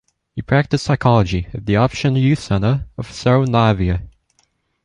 He practiced psychology at the Option Youth Center of Cerro Navia.